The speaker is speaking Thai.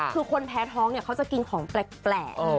คือคนแพ้ท้องเนี่ยเขาจะกินของแปลก